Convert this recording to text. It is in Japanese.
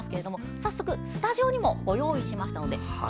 早速、スタジオにもご用意いたしました。